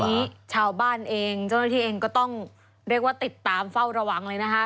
ชาวบ้านเองเจ้าหน้าที่เองก็ต้องเรียกว่าติดตามเฝ้าระวังเลยนะคะ